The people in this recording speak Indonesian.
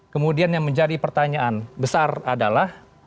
kemudian yang menjadi pertanyaan besar adalah